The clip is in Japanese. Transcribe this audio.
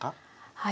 はい。